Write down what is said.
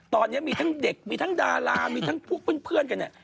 ตอนนี้มีทั้งเด็กมีทั้งดารามีทั้งพวกเพื่อนกันเนี่ย